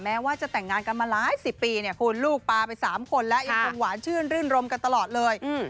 แม้ว่าจะแต่งงานกันมาหลายสิบปีเนี่ยคุณลูกปลาไป๓คนแล้วยังคงหวานชื่นรื่นรมกันตลอดเลย